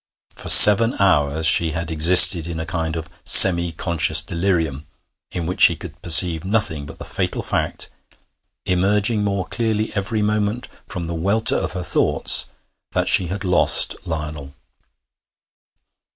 For seven hours she had existed in a kind of semi conscious delirium, in which she could perceive nothing but the fatal fact, emerging more clearly every moment from the welter of her thoughts, that she had lost Lionel.